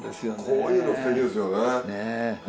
こういうのステキですよね。